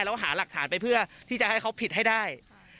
แล้วหาหลักฐานไปเพื่อที่จะให้เขาผิดให้ได้